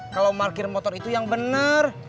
kalau markir motor itu yang bener